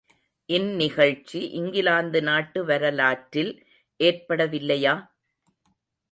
இந்நிகழ்ச்சி இங்கிலாந்து நாட்டு வரலாற்றில் ஏற்பட வில்லையா?